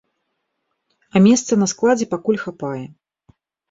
А месца на складзе пакуль хапае.